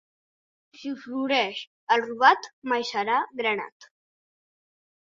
Si floreix el robat, mai serà granat.